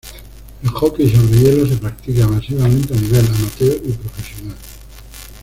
El hockey sobre hielo se practica masivamente a nivel amateur y profesional.